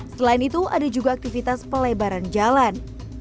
selain itu ada juga aktivitas pelebaran jalan